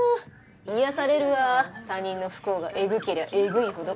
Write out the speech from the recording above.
癒やされるわ他人の不幸がエグけりゃエグいほど。